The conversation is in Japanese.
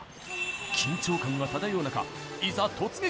緊張感が漂う中、いざ突撃。